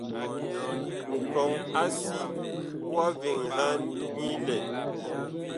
Nkɔŋ-a-si wa veŋhan nyi lɛn nyi.